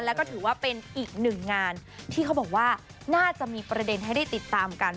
แล้วก็ถือว่าเป็นอีกหนึ่งงานที่เขาบอกว่าน่าจะมีประเด็นให้ได้ติดตามกัน